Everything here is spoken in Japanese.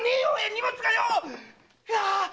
荷物がよ！